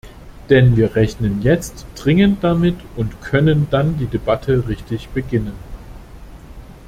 Denn wir rechnen jetzt dringend damit und können dann die Debatte richtig beginnen.